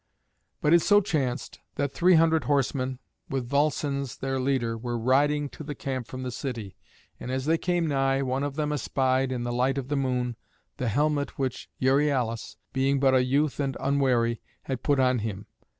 But it so chanced that three hundred horsemen, with Volscens their leader, were riding to the camp from the city. And as they came nigh, one of them espied, in the light of the moon, the helmet which Euryalus, being but a youth and unwary, had put on him.